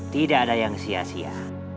tidak ada yang sia sia